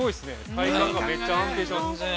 体幹がめっちゃ安定してますね。